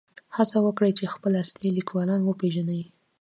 هڅه وکړئ چې خپل اصلي لیکوالان وپېژنئ.